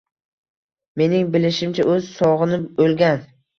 Mening bilishimcha, u sog‘inib o‘lgan.